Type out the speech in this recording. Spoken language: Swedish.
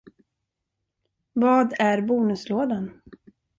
Vad är bonuslådan?